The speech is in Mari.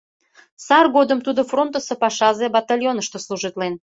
Сар годым тудо фронтысо пашазе батальонышто служитлен.